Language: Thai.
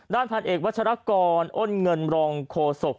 ด้านพันธุ์เอกวัชรกรอ้นเงินรองโฆษก